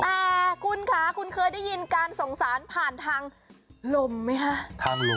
แต่คุณค่ะคุณเคยได้ยินการสงสารผ่านทางลมไหมคะ